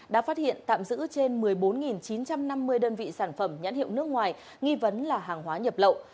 đã phát hiện tạm giữ trên một mươi bốn chín trăm năm mươi đơn vị sản phẩm nhãn hiệu nước ngoài nghi vấn là hàng hóa nhập lậu